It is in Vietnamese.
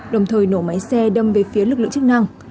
đồng thời nổ máy xe đâm về phía lực lượng chức năng